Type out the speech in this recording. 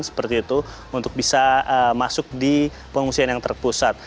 seperti itu untuk bisa masuk di pengungsian yang terpusat